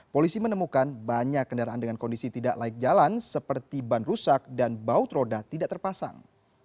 polisi menemukan banyak kendaraan dengan kondisi tidak laik jalan seperti ban rusak dan baut roda tidak terpasang